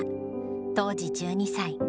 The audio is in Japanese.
当時１２歳。